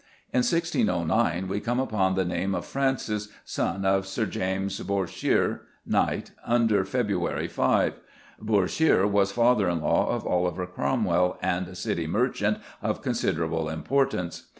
In 1609 we come upon the name of Francis, son of Sir James Bourchier, Knt., under February 5. Bourchier was father in law of Oliver Cromwell, and a City merchant of considerable importance.